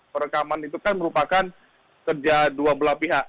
perekaman itu kan merupakan kerja dua belah pihak